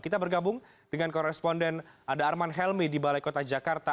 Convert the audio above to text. kita bergabung dengan koresponden ada arman helmi di balai kota jakarta